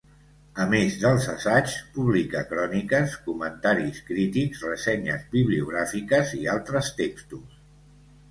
A més dels assaigs, publica cròniques, comentaris crítics, ressenyes bibliogràfiques i altres textos.